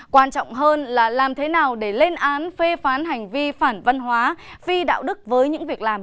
quan trọng hơn là làm thế nào để lên án phê phán hành vi phản văn hóa vi đạo đức với những việc làm